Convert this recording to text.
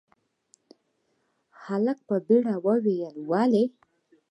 هلک په بيړه وويل، ولې؟